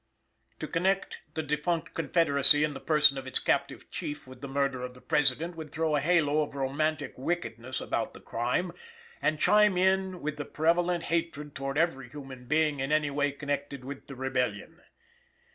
To connect the defunct Confederacy in the person of its captive Chief with the murder of the President would throw a halo of romantic wickedness about the crime, and chime in with the prevalent hatred towards every human being in any way connected with the Rebellion.